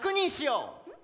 うん。